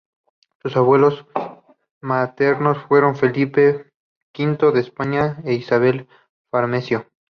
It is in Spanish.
Sus abuelos maternos fueron Felipe V de España e Isabel Farnesio.